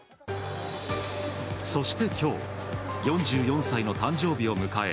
そして今日４４歳の誕生日を迎え